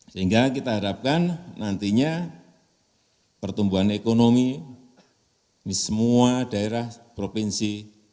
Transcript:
sehingga kita harapkan nantinya pertumbuhan ekonomi di semua daerah provinsi